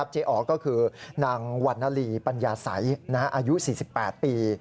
อ๋อก็คือนางวันนาลีปัญญาสัยอายุ๔๘ปี